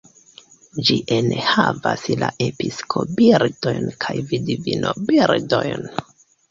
Ĝi enhavas la "episkopo-birdojn" kaj "vidvino-birdojn".